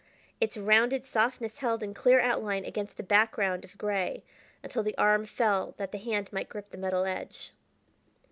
its rounded softness held in clear outline against the back ground of gray, until the arm fell that the hand might grip the metal edge.